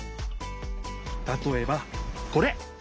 たとえばこれ！